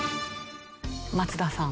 松田さん。